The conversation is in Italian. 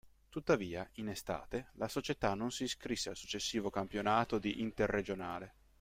Tuttavia, in estate, la società non si iscrisse al successivo campionato di Interregionale.